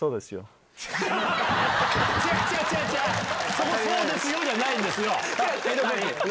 そこ「そうですよ」じゃないんですよ！何？